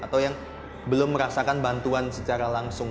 atau yang belum merasakan bantuan secara langsung